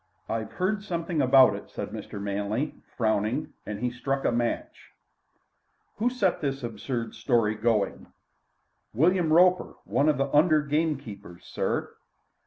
"I've heard something about it," said Mr. Manley, frowning, and he struck a match. "Who set this absurd story going?" "William Roper, one of the under gamekeepers, sir."